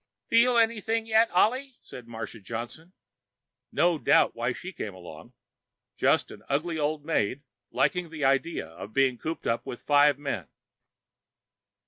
"Feel anything yet, Ollie?" said Marsha Johnson. No doubt why she came along. Just an ugly old maid liking the idea of being cooped up with five men.